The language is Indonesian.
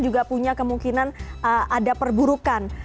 juga punya kemungkinan ada perburukan